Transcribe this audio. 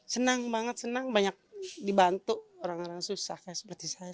senang banget senang banyak dibantu orang orang susah seperti saya